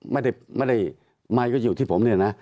ไม่ได้ไมค์ก็อยู่ที่ผมเนี่ยนะ